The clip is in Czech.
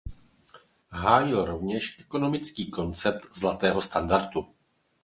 Hájil rovněž ekonomický koncept zlatého standardu.